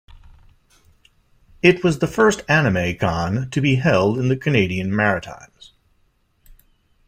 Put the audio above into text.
It was the first anime con to be held in the Canadian Maritimes.